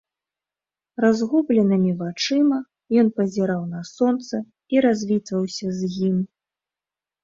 Разгубленымі вачыма ён пазіраў на сонца і развітваўся з ім.